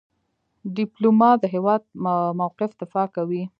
ډيپلومات د هیواد موقف دفاع کوي.